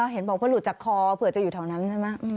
เห็นบอกว่าหลุดจากคอเผื่อจะอยู่แถวนั้นใช่ไหม